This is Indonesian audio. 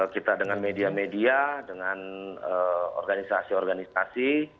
kita dengan media media dengan organisasi organisasi